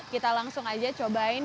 kita langsung aja cobain